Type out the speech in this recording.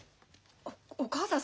おっお母さん